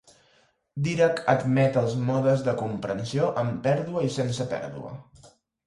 Dirac admet els modes de comprensió amb pèrdua i sense pèrdua.